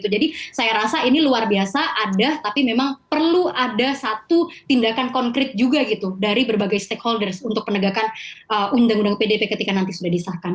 jadi saya rasa ini luar biasa ada tapi memang perlu ada satu tindakan konkret juga dari berbagai stakeholders untuk penegakan undang undang pdp ketika nanti sudah disahkan